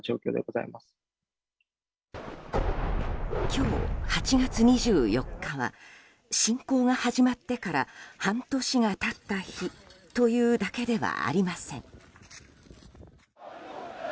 今日、８月２４日は侵攻が始まってから半年が経った日というだけではありません。